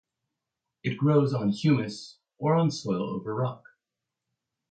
It grows on humus, or on soil over rock.